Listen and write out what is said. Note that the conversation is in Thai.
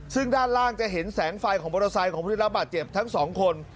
ซึ่งด้านล่างจะเห็นแสงไฟของมอเตอร์ไซค์ของผู้ได้รับบาดเจ็บทั้งสองคน